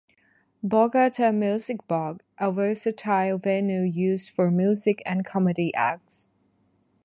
Borgata Music Box: A versatile venue used for music and comedy acts.